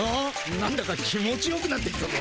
なんだか気持ちよくなってきたぞ。